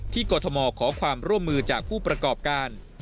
กรทมขอความร่วมมือจากผู้ประกอบการ